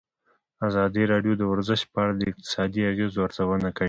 ازادي راډیو د ورزش په اړه د اقتصادي اغېزو ارزونه کړې.